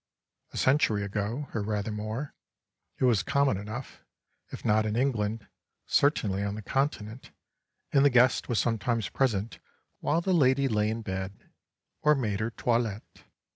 A century ago, or rather more, it was common enough, if not in England, certainly on the Continent, and the guest was sometimes present while the lady lay in bed, or made her toilette.